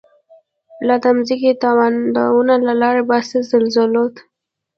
لا د مځکی تناوونه، لاره باسی زلزلوته